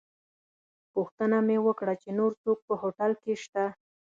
پوښتنه مې وکړه چې نور څوک په هوټل کې شته.